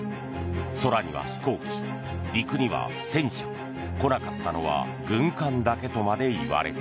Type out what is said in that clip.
空には飛行機、陸には戦車来なかったのは軍艦だけとまで言われた。